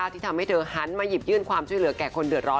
ที่ทำให้เธอหันมาหยิบยื่นความช่วยเหลือแก่คนเดือดร้อ